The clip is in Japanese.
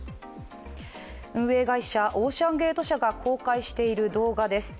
運営会社オーシャンゲート社が公開している動画です。